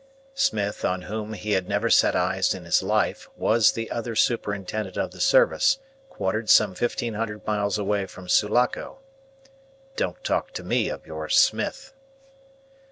Smith, on whom he had never set eyes in his life, was the other superintendent of the service, quartered some fifteen hundred miles away from Sulaco. "Don't talk to me of your Smith."